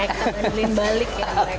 kita bandelin balik